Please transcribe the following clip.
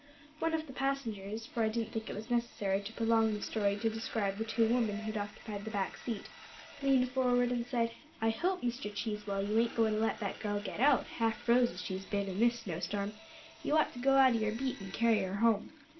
"One of the passengers for I didn't think it was necessary to prolong the story to describe the two women who occupied the back seat leaned forward and said, 'I hope, Mr. Cheesewell, you ain't goin' to let that girl get out, half froze as she's been, in this snowstorm. You'd ought to go out o' your beat, and carry her home.'